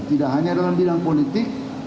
tidak hanya dalam bidang politik